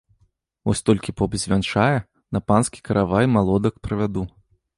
Вось толькі поп звянчае, на панскі каравай малодак прывяду.